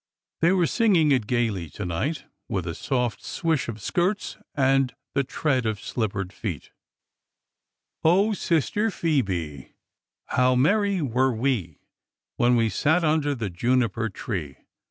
They were singing it gaily to night, with a soft swish of skirts and the tread of slippered feet: Oh, Sister Phoebe, how merry were we When we sat under the juniper tree!